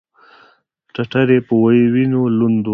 ټټر یې په وینو لوند و.